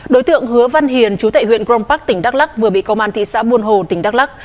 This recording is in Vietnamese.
đối tượng hứa văn hiền chú tệ huyện grong park tỉnh đắk lắc vừa bị công an thị xã buôn hồ tỉnh đắk lắc